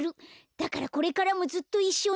だからこれからもずっといっしょに。